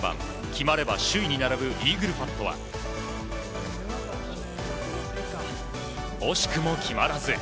決まれば首位に並ぶイーグルパットは惜しくも決まらず。